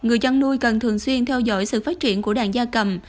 người chăn nuôi cần thường xuyên theo dõi sự phát triển của đàn da cầm